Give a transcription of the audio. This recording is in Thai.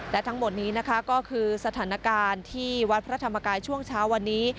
และทั้งหมดนี้นะคะก็คือสถานการณ์ที่วัดพระธรรมกายช่วงเช้าวันนี้